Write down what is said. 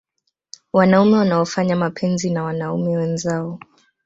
Wanaume wanaofanya mapenzi na wanaume wenzao